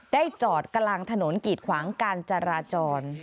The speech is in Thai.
จอดกลางถนนกีดขวางการจราจร